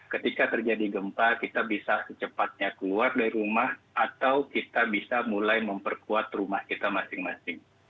ketika terjadi gempa kita bisa secepatnya keluar dari rumah atau kita bisa mulai memperkuat rumah kita masing masing